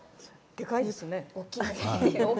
でかいですね。